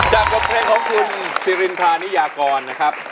จากกลบเพลงของคุณสิรินพานิยากรนะครับ